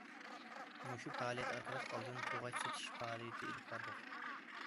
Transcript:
مۇشۇ پائالىيەت ئارقىلىق ئالدىن توغاچ سېتىش پائالىيىتى ئېلىپ باردۇق.